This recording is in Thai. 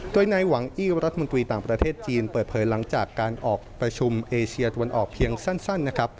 โดยนายหวังอี้รัฐมนตรีต่างประเทศจีนเปิดเผยหลังจากการออกประชุมเอเชียตะวันออกเพียงสั้นนะครับ